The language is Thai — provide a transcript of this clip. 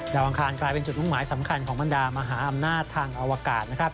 ดาวอังคารกลายเป็นจุดมุ่งหมายสำคัญของมณามหามนาธิ์ทางอวกาศ